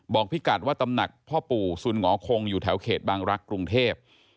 พี่กัดว่าตำหนักพ่อปู่สุนหงอคงอยู่แถวเขตบางรักษ์กรุงเทพ